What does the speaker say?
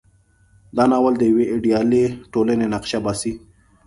دا ناول د یوې ایډیالې ټولنې نقشه باسي.